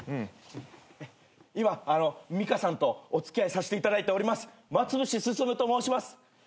今ミカさんとお付き合いさせていただいております間潰進と申します。